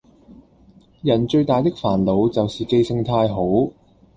人最大的煩惱就是記性太好